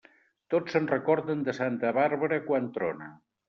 Tots se'n recorden de santa Bàrbara quan trona.